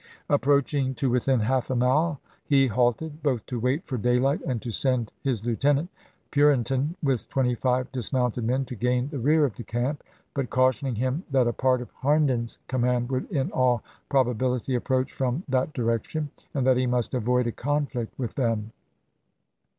Approaching to within half a mile, he halted, both to wait for daylight and to send his lieutenant, Purinton, with twenty five dismounted men to gain the rear of the camp, but cautioning him that a part of Harnden's command would in all probability approach from that direc tion, and that he must avoid a conflict with them.